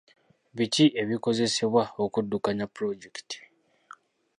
Biki ebikozesebwa okuddukanya pulojekiti?